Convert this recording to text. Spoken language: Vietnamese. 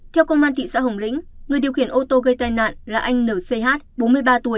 theo công an thị xã hồng lĩnh người điều khiển ô tô gây tai nạn là anh nch bốn mươi ba tuổi